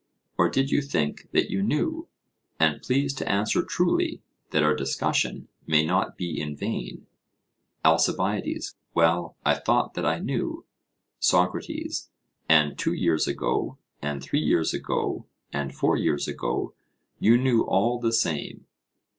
Or did you think that you knew? And please to answer truly, that our discussion may not be in vain. ALCIBIADES: Well, I thought that I knew. SOCRATES: And two years ago, and three years ago, and four years ago, you knew all the same?